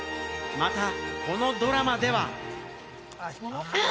またこのドラマでは。